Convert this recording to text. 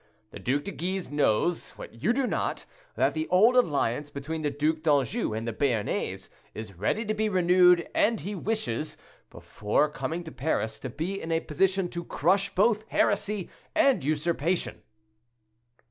The Duc de Gruise knows, what you do not, that the old alliance between the Duc d'Anjou and the Béarnais is ready to be renewed, and he wishes, before coming to Paris, to be in a position to crush both heresy and usurpation."